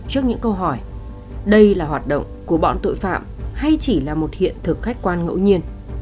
trước những câu hỏi đây là hoạt động của bọn tội phạm hay chỉ là một hiện thực khách quan ngẫu nhiên